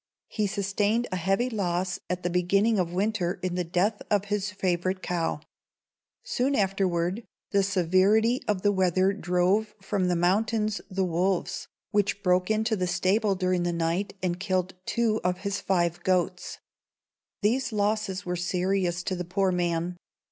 He sustained a heavy loss at the beginning of winter in the death of his favorite cow. Soon afterward the severity of the weather drove from the mountains the wolves, which broke into the stable during the night and killed two of his five goats. These losses were serious to the poor man.